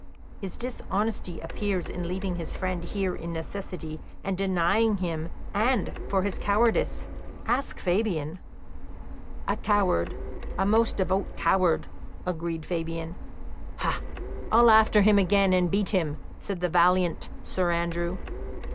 "His dishonesty appears in leaving his friend here in necessity, and denying him; and for his cowardice, ask Fabian." "A coward a most devout coward," agreed Fabian. "Ha, I'll after him again, and beat him," said the valiant Sir Andrew.